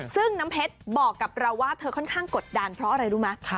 ซึ่งน้ำเพชรบอกกับเราว่าเธอค่อนข้างกดดันเพราะอะไรรู้ไหม